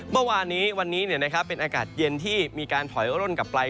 เมื่อวานนี้วันนี้เป็นอากาศเย็นที่มีการถอยร่นกลับไป